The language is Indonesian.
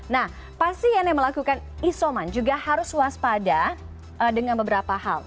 nah pasien yang melakukan isoman juga harus waspada dengan beberapa hal